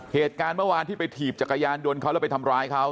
เหตุการณ์เมื่อวานที่ไปถีบจักรยานยนต์เขาแล้วไปทำร้ายเขา